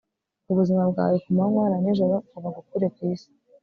ubuzima bwawe ku manywa na nijoro ngo bagukure ku isi